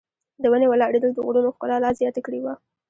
د ونې ولاړېدل د غرونو ښکلا لا زیاته کړې وه.